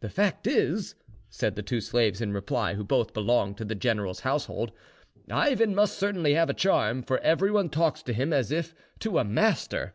"The fact is," said the two slaves in reply, who both belonged to the general's household, "Ivan must certainly have a charm; for everyone talks to him as if to a master."